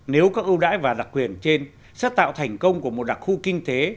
nếu các ưu đãi và đặc quyền trên sẽ tạo thành công của một đặc khu kinh tế